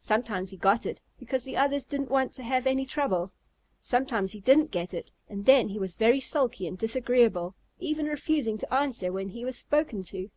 Sometimes he got it, because the others didn't want to have any trouble. Sometimes he didn't get it, and then he was very sulky and disagreeable, even refusing to answer when he was spoken to.